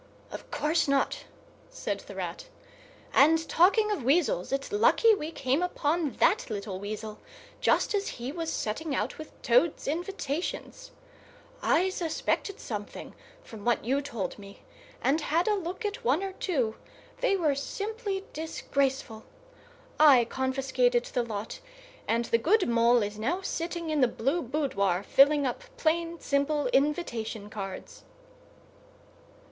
"Of course not," said the Rat. "And, talking of weasels, it's lucky we came upon that little weasel, just as he was setting out with Toad's invitations. I suspected something from what you told me, and had a look at one or two; they were simply disgraceful. I confiscated the lot, and the good Mole is now sitting in the blue boudoir, filling up plain, simple invitation cards."